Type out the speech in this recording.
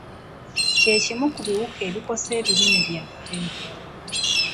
Kye kimu ku biwuka ebikosa ebirime byaffe.